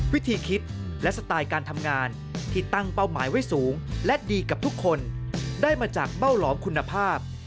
วิธีคิดและสไตล์การทำงานที่ตั้งเป้าหมายไว้สูงและดีกับทุกคนได้มาจากเบ้าหลอมคุณภาพ